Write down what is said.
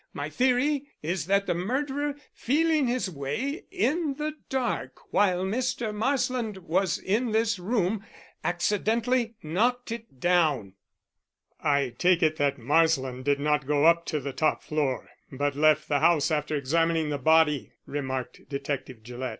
My theory is that the murderer, feeling his way in the dark while Mr. Marsland was in this room, accidentally knocked it down." "I take it that Marsland did not go up to the top floor but left the house after examining the body," remarked Detective Gillett.